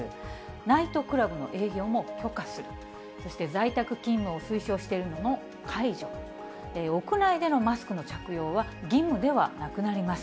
ナイトクラブの営業も許可する、そして在宅勤務を推奨しているのも解除、屋内でのマスクの着用は義務ではなくなります。